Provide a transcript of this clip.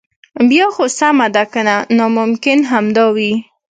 بیا خو سمه ده کنه ناممکن همدا وي.